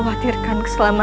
masuklah ke dalam